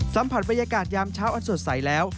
สัมผัสบรรยากาศยามเช้าอันสดใสแล้ว